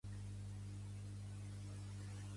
Més gramàtica i menys xenofòbia